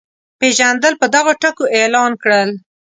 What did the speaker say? پېژندل په دغو ټکو اعلان کړل.